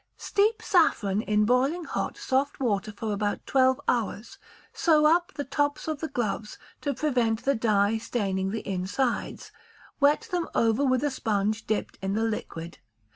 Steep saffron in boiling hot soft water for about twelve hours; sew up the tops of the gloves, to prevent the dye staining the insides, wet them over with a sponge dipped in the liquid.